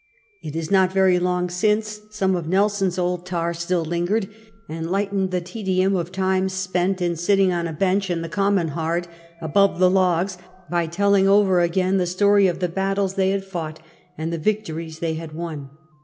It is not very long since some of Nelson's old tai's still lingered, and lightened the tedium of time spent in sitting on a bench in the Common Hard above the Logs, by tolling over again the story of the battles they had fought and the victories they had won.